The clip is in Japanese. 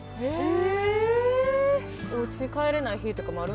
え！